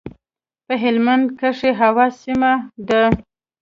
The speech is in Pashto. په هلمند کښي هوا سمه ده.